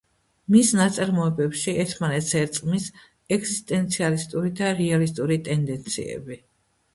მის ნაწარმოებებში ერთმანეთს ერწყმის ეგზისტენციალისტური და რეალისტური ტენდეციები.